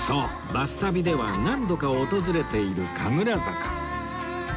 『バス旅』では何度か訪れている神楽坂